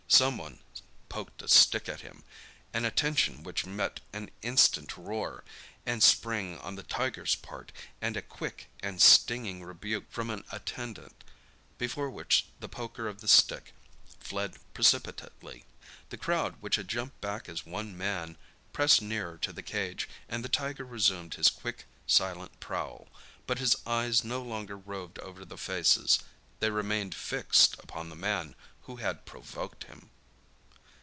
Some one poked a stick at him—an attention which met an instant roar and spring on the tiger's part, and a quick, and stinging rebuke from an attendant, before which the poker of the stick fled precipitately. The crowd, which had jumped back as one man, pressed nearer to the cage, and the tiger resumed his quick, silent prowl. But his eyes no longer roved over the faces. They remained fixed upon the man who had provoked him.